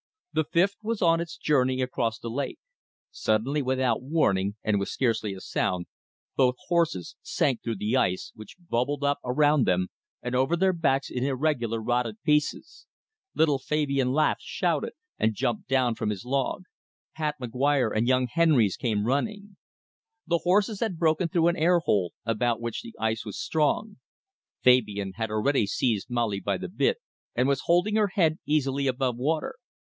The fifth was on its journey across the lake. Suddenly without warning, and with scarcely a sound, both horses sank through the ice, which bubbled up around them and over their backs in irregular rotted pieces. Little Fabian Laveque shouted, and jumped down from his log. Pat McGuire and young Henrys came running. The horses had broken through an air hole, about which the ice was strong. Fabian had already seized Molly by the bit, and was holding her head easily above water.